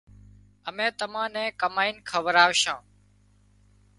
امين تمان نين ڪمائينَ کوراوشان